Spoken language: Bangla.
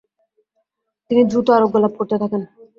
তিনি দ্রুত আরোগ্য লাভ করতে থাকেন।